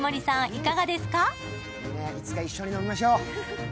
いつか一緒に飲みましょう！